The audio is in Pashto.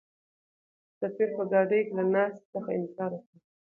سفیر په ګاډۍ کې له ناستې څخه انکار وکړ.